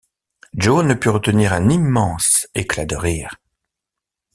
Joe ne put retenir un immense éclat de rire.